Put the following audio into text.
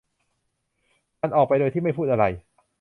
มันออกไปโดยที่ไม่พูดอะไร